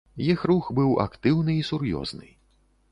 Іх рух быў актыўны і сур'ёзны.